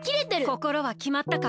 こころはきまったか？